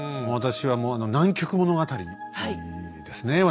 私はもう「南極物語」ですね